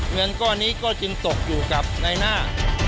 เงินก้อนนี้ก็จึงตกอยู่กับในหน้า